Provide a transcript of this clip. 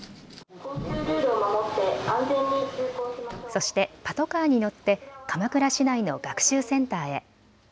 そしてパトカーに乗って鎌倉市内の学習センターへ。